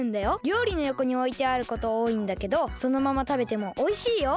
りょうりのよこにおいてあることおおいんだけどそのままたべてもおいしいよ。